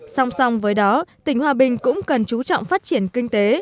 song song với đó tỉnh hòa bình cũng cần chú trọng phát triển kinh tế